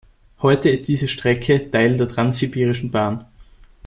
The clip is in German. Heute ist diese Strecke Teil der Transsibirischen Bahn.